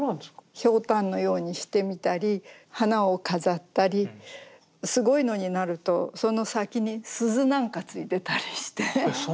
ひょうたんのようにしてみたり花を飾ったりすごいのになるとその先に鈴なんか付いてたりして。